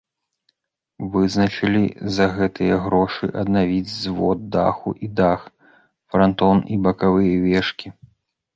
Вызначылі за гэтыя грошы аднавіць звод даху і дах, франтон і бакавыя вежкі.